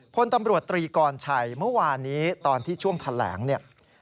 ผลตำรวจตรีกรชัยเมื่อวานี้